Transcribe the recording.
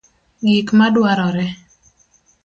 Gik ma dwarore;